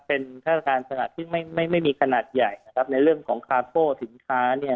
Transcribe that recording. เป็นฆาตการตลาดซึ่งไม่ไม่ไม่มีขนาดใหญ่นะครับในเรื่องของคาโฟสินค้าเนี่ย